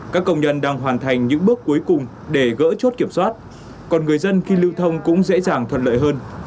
các công nhân đang hoàn thành những bước cuối cùng để gỡ chốt kiểm soát còn người dân khi lưu thông cũng dễ dàng thuận lợi hơn